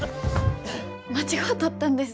間違うとったんです。